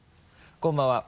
こんばんは。